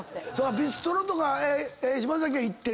ビストロとか島崎は行ってる？